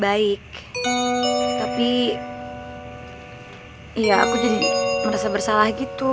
baik tapi ya aku jadi merasa bersalah gitu